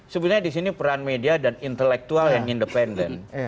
sebenarnya disini peran media dan intelektual yang independen